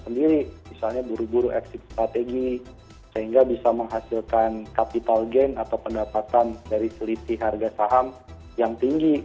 sendiri misalnya buru buru exit strategi sehingga bisa menghasilkan capital gain atau pendapatan dari selisih harga saham yang tinggi